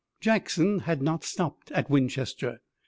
Jackson had not stopped at Winchester.